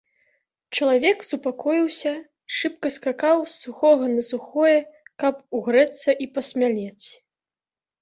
Чалавек супакоіўся, шыбка скакаў з сухога на сухое, каб угрэцца і пасмялець.